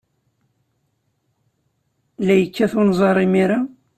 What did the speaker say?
La yekkat unẓar imir-a?